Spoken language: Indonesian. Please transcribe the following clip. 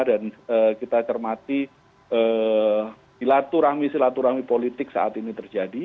dan kita cermati silaturahmi silaturahmi politik saat ini terjadi